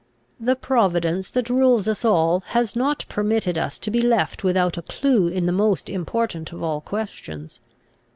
The Providence that rules us all, has not permitted us to be left without a clew in the most important of all questions.